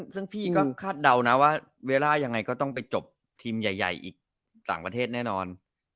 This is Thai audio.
ซึ่งพี่ก็คาดเดานะว่าเวลายังไงก็ต้องไปจบทีมใหญ่อีกต่างประเทศแน่นอน